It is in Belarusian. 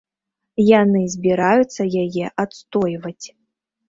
Яны збіраюцца яе адстойваць.